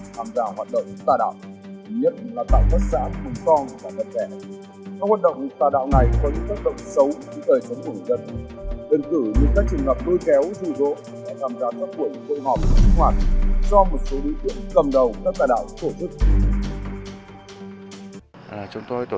tham gia hoạt động tà đạo